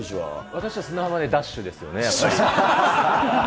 私は砂浜でダッシュですよね、やっぱり。